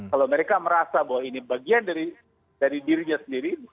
kalau mereka merasa bahwa ini bagian dari dirinya sendiri